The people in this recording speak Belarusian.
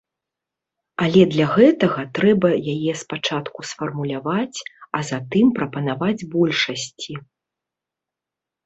Але для гэтага трэба яе спачатку сфармуляваць, а затым прапанаваць большасці.